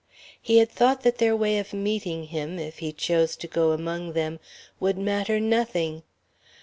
He had thought that their way of meeting him, if he chose to go among them, would matter nothing.